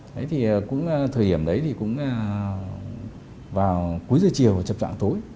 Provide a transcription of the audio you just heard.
đấy thì cũng là thời điểm đấy thì cũng là vào cuối giờ chiều và trập trạng tối